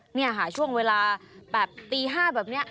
เนี่ยหาช่วงเวลาแบบตี๕แบบเนี่ย